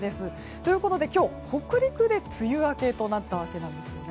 ということで、今日北陸で梅雨明けとなったわけです。